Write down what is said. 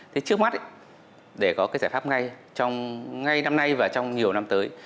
thế trước mắt để có cái giải pháp ngay trong ngay năm nay và trong nhiều năm tới